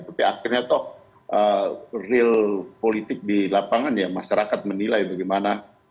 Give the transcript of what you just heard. tapi akhirnya toh real politik di lapangan ya masyarakat menilai bagaimana